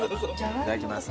いただきます。